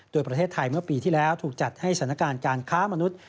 โดยประเทศไทยเมื่อปีที่แล้วถูกจัดให้สถานการณ์การค้ามนุษย์